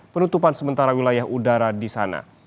penutupan sementara wilayah udara di sana